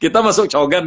kita masuk cogan ya